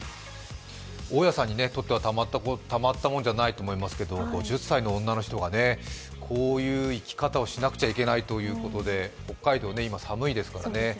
大家さんにとってはたまったもんじゃないと思いますけど、５０歳の女の人がこういう生き方をしなくちゃいけないということで北海道、今、寒いですからね。